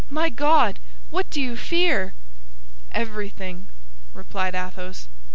"My God! what do you fear?" "Everything!" replied Athos.